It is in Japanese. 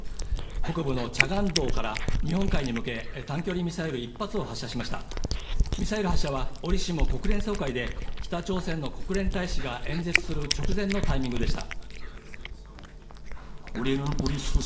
北部のチャガンドから日本海に向け短距離ミサイル１発を発射しましたミサイル発射は折しも国連総会で北朝鮮の国連大使が演説する直前のタイミングでした